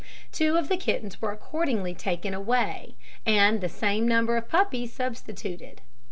Two of the kittens were accordingly taken away, and the same number of puppies substituted.